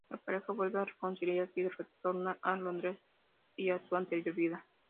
La pareja vuelve a reconciliarse y retorna a Londres y a su anterior vida.